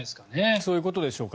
そういうことでしょうか。